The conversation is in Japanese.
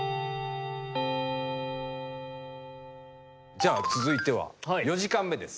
じゃあ続いては４時間目です。